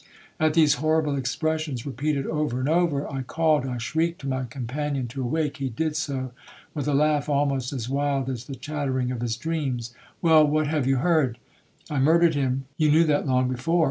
At these horrible expressions, repeated over and over, I called, I shrieked to my companion to awake. He did so, with a laugh almost as wild as the chattering of his dreams. 'Well, what have you heard? I murdered him,—you knew that long before.